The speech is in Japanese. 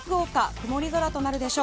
曇り空となるでしょう。